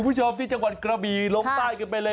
คุณผู้ชมที่จังหวัดกระบีลงใต้กันไปเลย